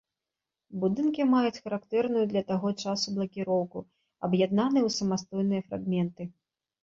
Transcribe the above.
Будынкі маюць характэрную для таго часу блакіроўку, аб'яднаны ў самастойныя фрагменты.